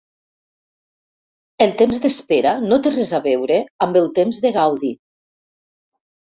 El temps d'espera no té res a veure amb el temps de gaudi.